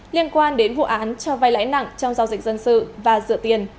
liên quan đến vụ án cho vai lãi nặng trong giao dịch dân sự và dựa tiền